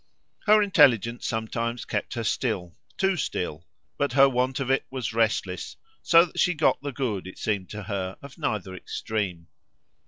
Her intelligence sometimes kept her still too still but her want of it was restless; so that she got the good, it seemed to her, of neither extreme.